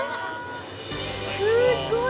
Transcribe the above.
すごい。